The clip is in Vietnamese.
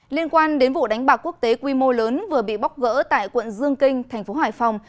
liên quan đến vụ đánh bạc quốc tế quy mô lớn vừa bị bóc gỡ tại quận dương kinh thành phố hải phòng